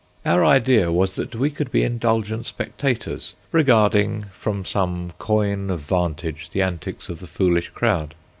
Our idea was that we could be indulgent spectators, regarding from some coign of vantage the antics of the foolish crowd.